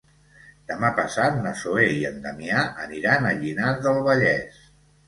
Demà passat na Zoè i en Damià aniran a Llinars del Vallès.